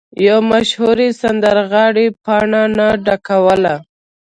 یو مشهور سندرغاړی پاڼه نه ډکوله.